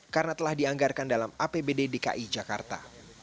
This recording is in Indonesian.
karena telah dianggarkan dalam apbd dki jakarta